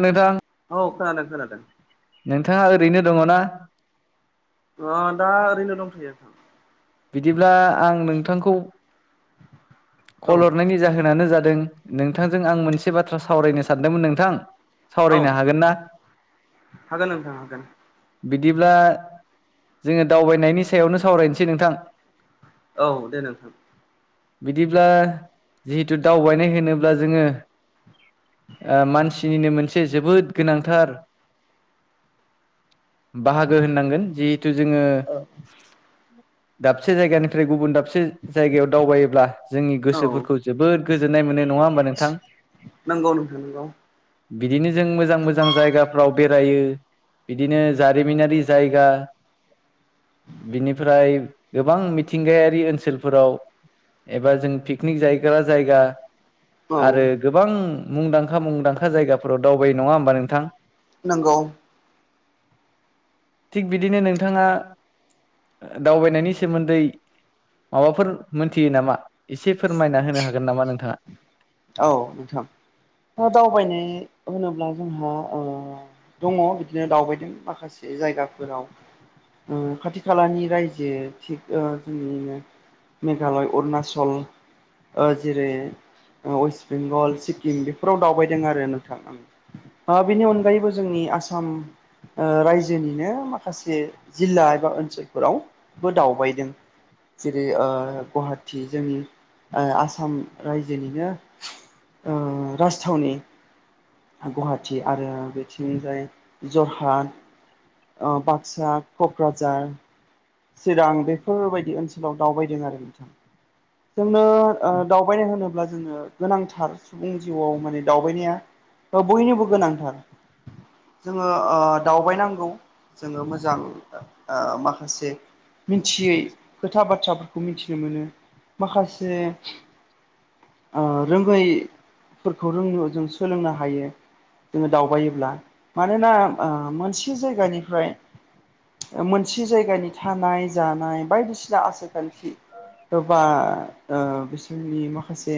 नोंथां औ खाल खाल नोंथाङा ओरैनो दङ ना अ दा ओरैनो दंथायोथां बिदिब्ला आं नोंथांखौ औ खलरनायनि जाहोनानो जादों दों नोंथांजों आं मोनसे बाथ्रा सावरायनो सानदोंमोन नोंथां औ सावरायनो हागोन ना हागोन नोंथां हागोन बिदिब्ला जोङो दावबायनायनि सायावनो सावरायनोसै नोंथां औ दे नोंथां बिदिब्ला जिहेथु दावबायनाय होनोब्ला जोङो ओ मानसिनिनो मोनसे जोबोद गोनांथार [inaudible] बाहागो होननांगोन जिहेथु जोङो दाबसे जायगानिफ्राय गुबुन दाबसे जायगायाव दावबायोब्ला जोंनि औ गोसोफोरखौ जोबोद गोजोन्नाय मोनो नङा होमबा नोंथां नंगौ नोंथां नोंगौ बिदिनो जों मोजां मोजां जायगाफ्राव बेरायो बिदिनो जारिमिनारि जायगा बिनिफ्राय गोबां मिथिंगायारि ओनसोलफोराव एबा जों पिकनिक जाहग्रा जायगा औ आरो गोबां मुंदांखा मुंदांखा जायगाफोराव दावबाय नङा होमबा नोंथां नंगौ थिग बिदिनो नोंथाङा दावबायनायनि सोमोन्दै माबाफोर मोनथियो नामा एसे फोरमायना होनो हागोन नामा नोंथाङा औ नोंथां दावबायनाय होनोब्ला जोंहा दङ बिदिनो दावबायदों माखासे जायगाफोराव खाथि खालानि रायजो थिग जोंनिनो मेघालय अरुनाचल जेरै वेस्ट बेंगल सिक्किम बेफोराव दावबायदों आरो नोंथां आं बेनि अनगायैबो जोंनि आसाम आसाम रायजोनिनो माखासे जिल्ला एबा ओनसोलफोरावबो दावबाय जेरै ओ गुवाहाटि जोंनि आसाम रायजोनिनो राजथावनि गुवाहाटिी आरो बेथिंजाय जरहा बाक्सा क'क्राझार सिगां बेफोरबायदि ओनसोलाव दावबायदों आरो जोंनो दावबायनाय होनोब्ला जोङो गोनांथार सुबुं जिउआव माने दावबायनाया बयनिबो गोनांथार जोङो दावबायनांगौ जोङो मोजां माखासे मिथियै खोथा बाथ्राफोरखौ मिथिनो मोनो माखासे रोंऐ फोरखौ रोंनो जों सोलोंनो हायो जोङो दावबायोब्ला मानोना मोनसे जायगानिफ्राय मोनसे जायगानि थानाय जानाय बायदिसिना आसार खान्थि एबा बिसोरनि माखासे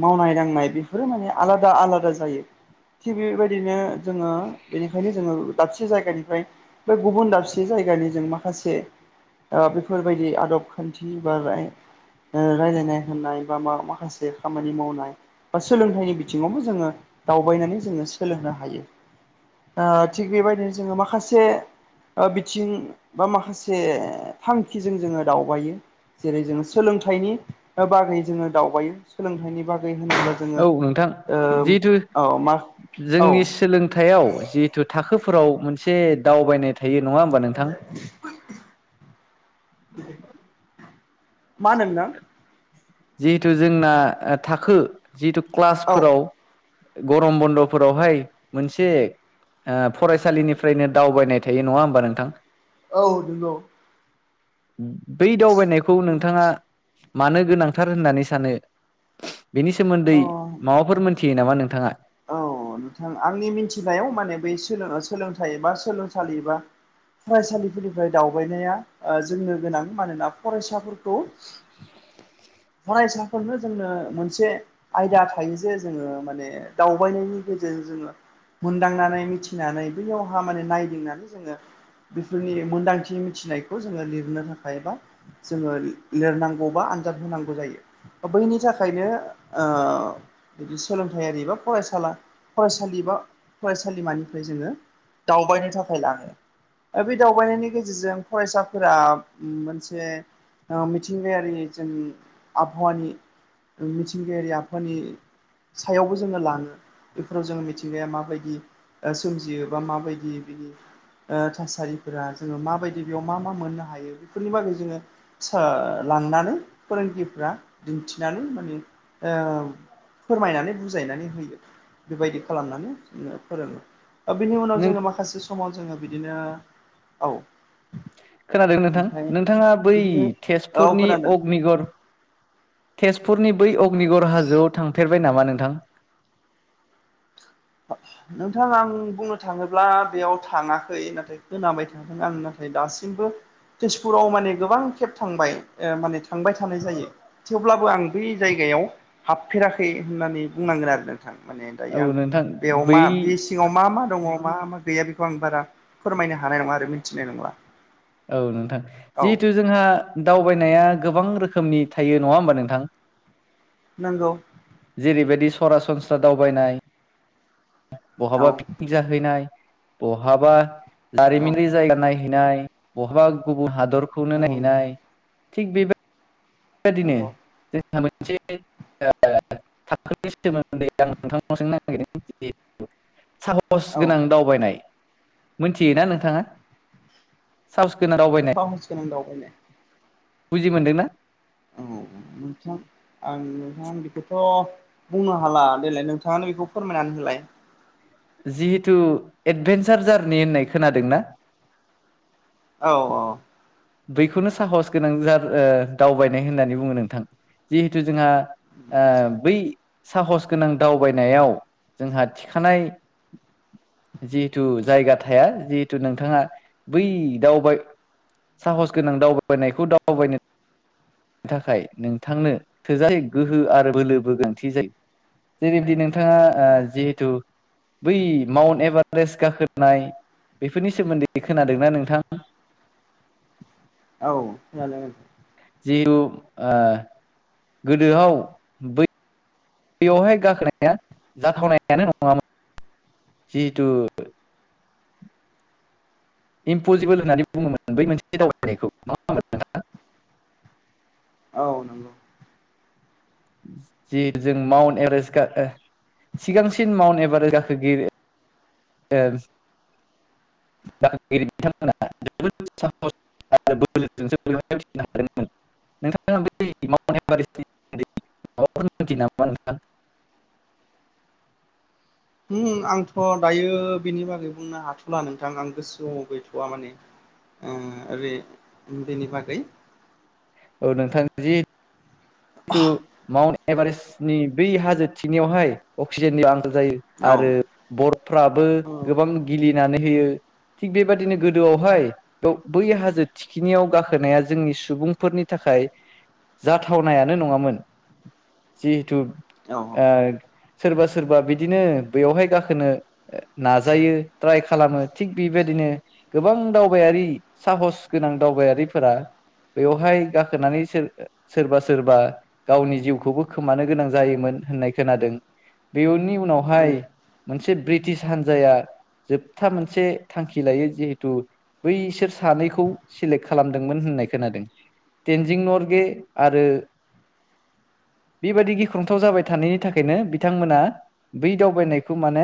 मावनाय दांनाय बेफोरो माने आलादा आलादा जायो थिग बेबायदिनो जोङो बेनिखायनो जोङो दाबसे जायगानिफ्राय बे गुबुन दाबसे जायगानि जों माखासे बेफोरबायदि आदब खान्थि बाराय रायजलायनाय होननाय बा मा माखासे खामानि मावनाय बा सोलोंथाइनि बिथिङावबो जोङो दावबायनानै जोङो सोलोंनो हायो ओ थिग बेबायदिनो जोङो माखासे ओ बिथिं बा माखासे थांखिजों जोङो दावबायो जेरै जोङो सोलोंथाइनि बागै जोङो दावबायो सोलोंथाइनि बागै होनोब्ला जोङो औ नोंथां ओ जिहेथु औ मा औ जोंनि सोलोंथायाइयाव जिहेथु थाखोफोराव मोनसे दावबायनाय थायो नङा होमबा नोंथां मा होनदों नोंथां? जिहेथु जोंना थाखो जिहेतु होनो नोंथां औ क्लासफोराव गरम बन्द'फोरावहाय मोनसे ओ फरायसालिनिफ्रायनो दावबायनाय थायो नङा होमबा नोंथां औ नंगौ बै दावबायनायखौ नोंथाङा मानो गोनांथार होननानै सानो बेनि सोमोन्दै अ माबाफोर मोनथियो नामा नोंथाङा औ नोंथां आंनि मिथिनायाव माने बै सोलोंथाइ बा सोलोंसालि बा फरायसालिफोरनिफ्राय दावबायनाया जोंनो गोनां मानोना फरायसाफोरखौ [inaudible] [unintelligible] फरायसाफोरनो जोंनो मोनसे आयदा थायो जे जोङो माने दावबायनायनि गेजेरजों जोङो मोनदांनानै मिथिनानै बैयावहा माने नायदिंनानै जोङो बेफोरनि मोनदांथि मिथिनायखौ जोङो लिरनो थाखाय बा जोङो लिरनांगौबा आनजाद होनांगौ जायो बैनि थाखायनो बिदि सोलोंथायारि बा फरायसाला फरायसालि बा फरायसालिमानिफ्राय जोङो दावबायनो थाखाय लाङो बे दावबायनायनि गेजेरजों फरायसाफोरा मोनसे मिथिंगायारि जों आबहावानि मिथिंगायारि आफनि सायावबो जोङो लाङ बेफोराव जो मिथिंगाया माबायदि सोमजियो बा माबायदि बिनि ओ थासारिफोरा जोङो माबायदि बेयाव मा मा मोननो हायो बेफोरनि बागै जोङो लांनानै फोरोंगिरिफ्रा दिन्थिनानै माने फोरमायनानै बुजायनानै होयो बेबायदि खालामनानै जोङो फोरोङो बिनि उनाव नों जोङो माखासे समाव जोङो बिदिनो औ खोनादों नोंथां ओमफ्राय नोंथाङा बै बिदिनो औ तेजपुरनि खोनादों अग्निगर तेजपुरनि बै अग्निगऱ हाजोआव थांफेरबाय नामा नोंथां नोंथां आं बुंनो थाङोब्ला बेयाव थाङाखै नाथाय खोनाबाय थादों आं नाथाय दासिमबो तेजपुराव माने गोबां खेब थांबाय माने थांबाय थानाय जायो थेवब्लाबो आं बै जायगायाव याव हाबफेराखै होननानै बुंनांगोन आरो नोंथां नोंथा माने दायो आं औ नोंथां बेयाव मा बै बे सिंङाव मा मा दंङ मा मा गै गैया बेखौ आं बारा फोरमायनो हानाय नङा आरो मिथिनाय नंला औ नोंथां औ जिहेथु जोंहा दावबायनाया गोबां रोखोमनि थायो नंङा होनबा नोंथां नंगौ जैरैबादि सरासनस्रा दावबायनाय औ बहाबा पिकनिक जाहैनाय बहाबा औ जारिमिननि जायगा नायनाय नायनाय बहाबा गुबुन औ हादरखौनो नायहैनाय थिग बेबाय बेबायदिनो नंगौ जोंहा मोनसे थाखोनि सोमोन्दै आं नोंथांनाव सोंनो नागिरदों आरोखि साहस औ गोनां दावबायनाय मोनथियोना नोंथाङा साहस गोनां दावबायनाय साहसगोनां दावबायायनो बुजि मोनदोंना औ नोंथां आं नोंथां बेखौथ' बुंनो हाला देलाय नोंथाङानो बेखौ फोरमायनानै होलाय जिहेथु एदभेन्सार जार्नि होननाय खोनादोंना औ-औ बैखौनो साहस गोनां दावबायनाय होननानै बुङो नोंथां जिहेथु जोंहा आ आदसा बै साहस गोनां दावबायनायाव जोंहा थिखानाय जिहेथु जायगा थाया जिहेथु नोंथाङा बै दावबाय साहस गोनां दावबायनायखौ दावबायनो थाखाय नोंथांनो थोजा गोहो आरो बोलोबो गोनांन्थि जायो। जेरैबायदि नोंथाङा ओ औ जिहेथु बै माउन्ट एभारेस्ट गाखोनाय बेफोरनि सोमोन्दै खोनादोंना नोंथां? औ खोनादो। जिहु गोदोआव बै बेवहाय गाखोनाया जाथावनायानो नङामोन। जिहेतु इमपसिबोल होननानै बुङोमोन बै मोनसे दावबायनायखौ नङाओमबा नोंथां? [inaudible] नंगौ जि जों माउन्ट एभारेस्ट गा ओ सिगांसिन माउन्ट एभारेस्ट गाखोगि [unintelligible] [unintelligible] [unintelligible] [inaudible] उम आंथ' दायो बेनि बागै बुंनो हाथ'ला नोंथां आं गोसोआव गैथ'वा माने। ओ बे बेेनि बागै औ नोंथां जि तु माउन्ट एभारेस्टनि बै हाजो थिखिनिआवहाय अक्सिजेननि आंखाल जायो औ आरो बरफ्राबो औ गोबां गिलिनानै होयो। थिग बेबादिनो गोदोआवहाय बे बै हाजो थिखिनियाव गाखोनाया जोंनि सुबुंफोर नि थाखाय जाथाव नायानो नङामोन जिहेथु औ औ ओ सोरबा सोरबा बिदिनो बेयावहाय गाखोनो नाजायो ट्राइ खालामो थिग बेबायदि नो गोबां दावबायारि साहस गोनां दावबायारिफोरा बेवहाय गाखोनानै सो सोरबा सोरबा गावनि जिउखौबो खोमानो गोनां जायोमोन होननाय खोनादों। बेवनि उनावहाय नंगौ मोनसे ब्रिटिश हान्जाया जोबथा मोनसे थांखि लायो जिहेथु बैसोर सानैखौ सेलेक्ट खालामदोंमोन होननाय खोनादों। तेनजिं नरगे आरो [inaudible] बेबायादि गिख्रंथाव जाबाय थानायनि थाखायनो बिथांमोना बै दावबायनायखौ माने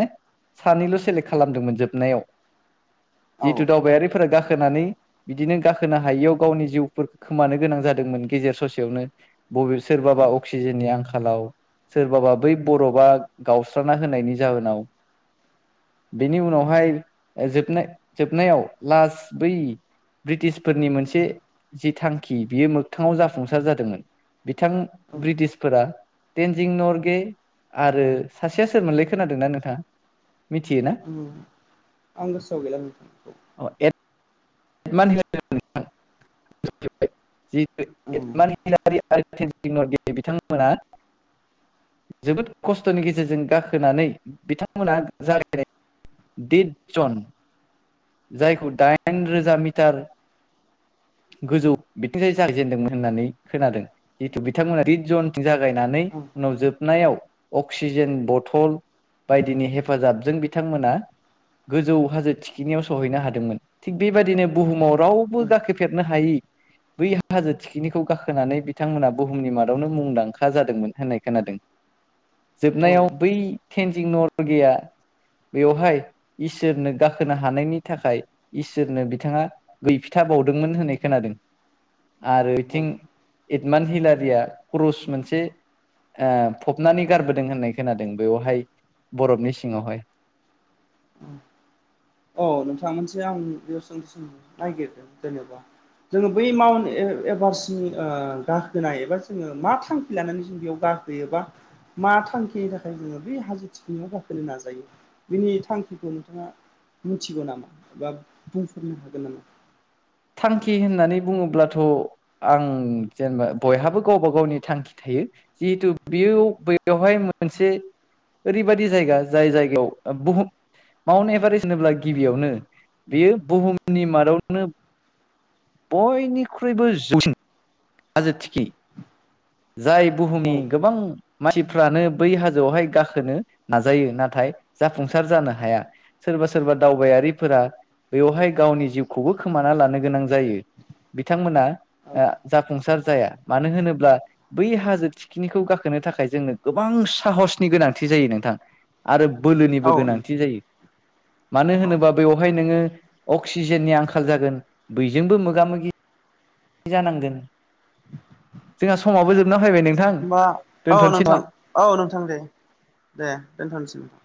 सानैल' सेलेक्ट खालामदोंमोन जोबनायाव औ जिथु दावबायारिफोरा गाखो खोनानै बिदिनो गाखोनो हायियाव गावनि जिउफोरखौ खोमानो गोनां जादोंमोन गेजेर ससेयावनो बबे सोरबाबा अक्सिजेननि आंखालाव सोरबाबा बै बरबा गावस्राना होनायनि जाहोनाव बेनि उनावहाय जोबनाय जोबनायाव लास बै ब्रिटिसफोरनि मोनसे जि थांखि बियो मोगथाङाव जाफुंसार जादोंमोन। बिथां औ ब्रिटिसफोरा टेनजिं नरगे आरो सासेया सोरमोनलै खोनादोंना नोंथाङा? मिथियोना? उम आं गोसोआव गैला नोंथां बेखौ [unintelligible] औ आरो तेनजिं नरगे बिथांमोना जोबोद खस्थ'नि गेजेरजों गाखोनानै बिथांमोना जागायनाय दिद जन जायखौ दाइन रोजा मिटार गोजौ बिथिंजाय जागायजेनदोंमोन होननानै खोनादों जिथु बिथांमोना रिड जन थि जागायनानै नुजोबनायाव अक्सिजेन बथल बायदिनि हेफाजाबजों बिथांमोना गोजौ हाजो थिखिनायाव सहैनो हादोंमोन थिग बेबायाददिनो बुहुमाव रावबो औ गाखो हायि बै हाजो थिखिनिखौ गाखोनानै बिथांमोनहा बुहुमनि मादावनो मुंदांखा जादोंमोन होननाय खोनादों। जोबनायाव औ बै टेनजिं न'रगेया बेवहाय इसोरनो गाखोनो हानायनि थाखाय इसोरनो बिथाङा दोंमोन होननाय खोनादों आरोथिं औ एडमान् हिलारिया क्रस मोनसे फबनानै गारबोदों होननाय खोनादों बेवहाय बरफनि सिङावहाय [inaudible] औ नोंथां मोनसे आं बेयाव सों जोङो बै माउन्ट एभारेस्टनि गाखोनाय एबा जोङो मा थांखि लानानै जों बेयाव [inaudible] मा थांखिनि थाखाय जोङो बेै हाजो थिखिनियाव गाखोनो नाजायो बिनि थांखिखौ नोंथाङा मिथिगौ नामा एसे बुंनो हागोन नामा? थांखि होननानै बुङोब्लाथ' आं जेनेबा बयहाबो गावबा गावनि थांखि थायो। जिहेतु बेयो बेयावहाय मोनसे ओरैबायदि जायगा जाय जायगायाव बुहुम माउन्ट एभारेस्ट होनोब्ला गिबियावनो बेयो बुहुमनि मादावनो बयनिख्रुइबो जौसिन हाजो थिखिनि जाय बुहुमनि औ गोबां मानसिफ्रानो बै हाजोआवहाय गाखोनो नाजायो ना नाथाय जाफुंसार जानो हाया सोरबा सोरबा दावबायारिफोरा बेवहाय गावनि जिउखौबो खोमाना लानो गोनां जायो बिथांमोना औ जाफुंसार जाया मानो होनोब्ला बै हाजो थिखिनिखौ गाखोनो थाखाय जोंनो गोबां साह गोनांथि जायो नोंथां आरो औ बोलोनिबो नों गोनांथि जायो। [inaudible] मानो होनोबा बेवहाय नोङो अक्सिजेननि आंखाल जागोन बयजोंबो मोगा मोगि जानांगोन जोंहा समावबो जोबनो ह होमबा औ नोंथां औ नोंथां दे दे दोनथ'नोसै नोंथां।